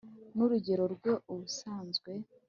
n'urugero rwe ubusanzwe,